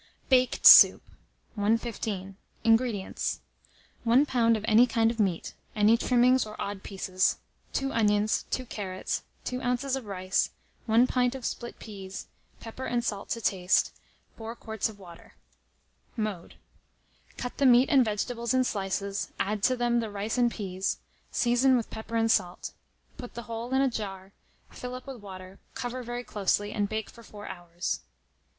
BAKED SOUP. 115. INGREDIENTS. 1 lb. of any kind of meat, any trimmings or odd pieces; 2 onions, 2 carrots, 2 oz. of rice, 1 pint of split peas, pepper and salt to taste, 4 quarts of water. Mode. Cut the meat and vegetables in slices, add to them the rice and peas, season with pepper and salt. Put the whole in a jar, fill up with the water, cover very closely, and bake for 4 hours.